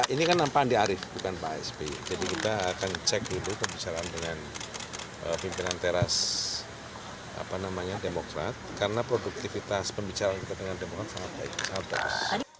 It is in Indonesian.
ini kan nama andi arief bukan pak sp jadi kita akan cek dulu pembicaraan dengan pimpinan teras demokrat karena produktivitas pembicaraan kita dengan demokrat sangat baik